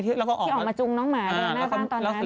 ที่ออกมาจุงน้องหมาเดินหน้าบ้านตอนนั้น